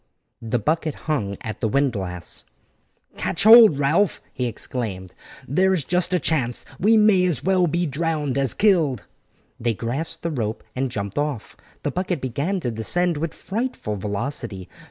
The bucket hung at the windlass. "Catch hold, Ralph!" he exclaimed; "there is just a chance, and we may as well be drowned as killed." They grasped the rope and jumped off. The bucket began to descend with frightful velocity.